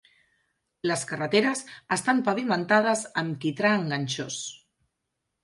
Les carreteres estan pavimentades amb quitrà enganxós.